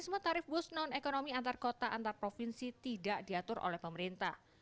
tarif bus non ekonomi antar kota antar provinsi tidak diatur oleh pemerintah